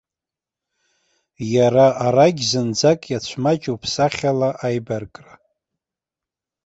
Иара арагь зынӡак иацәмаҷуп сахьала аибаркра.